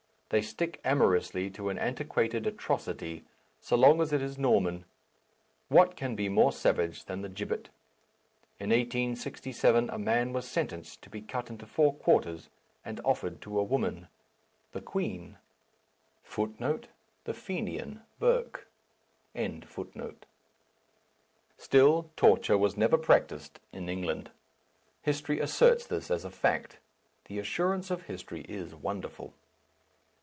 They stick amorously to an antiquated atrocity, so long as it is Norman. What can be more savage than the gibbet? In 1867 a man was sentenced to be cut into four quarters and offered to a woman the Queen. Still, torture was never practised in England. History asserts this as a fact. The assurance of history is wonderful.